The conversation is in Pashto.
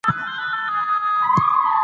او غواړم چې د نوي کال لپاره منظم پلان جوړ